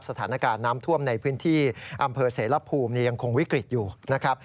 สถานการณ์น้ำท่วมในพื้นที่อำเภอเสรภูมิยังคงวิกฤตอยู่นะครับ